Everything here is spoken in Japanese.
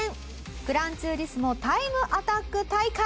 『グランツーリスモ』タイムアタック大会！